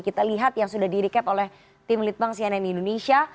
kita lihat yang sudah di recap oleh tim litbang cnn indonesia